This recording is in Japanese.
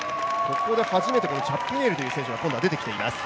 初めてチャッピネーリという選手が出てきています。